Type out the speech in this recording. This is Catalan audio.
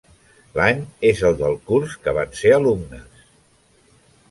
L'any és el del curs que van ser alumnes.